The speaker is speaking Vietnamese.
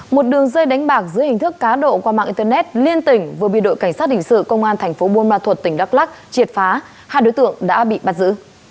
một đường dây đánh bạc dưới hình thức cá độ qua mạng internet liên tỉnh vừa bị đội cảnh sát hình sự công an thành phố buôn ma thuật tỉnh đắk lắc triệt phá hai đối tượng đã bị bắt giữ